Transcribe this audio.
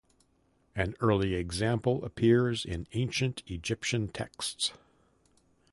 An early example appears in ancient Egyptian texts.